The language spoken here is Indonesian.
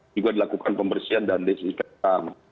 juga dilakukan pembersihan dan disinfektan